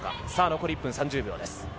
残り１分３０秒です。